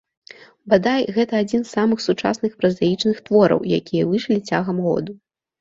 Бадай, гэта адзін з самых сучасных празаічных твораў, якія выйшлі цягам году.